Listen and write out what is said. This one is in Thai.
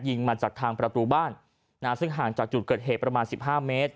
มาจากทางประตูบ้านซึ่งห่างจากจุดเกิดเหตุประมาณสิบห้าเมตร